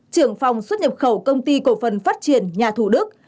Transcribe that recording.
trưởng phòng xuất nhập khẩu công ty cổ phần phát triển nhà thủ đức